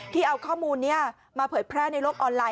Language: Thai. เอาข้อมูลนี้มาเผยแพร่ในโลกออนไลน